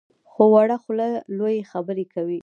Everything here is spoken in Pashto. خو په وړه خوله لویې خبرې کوي.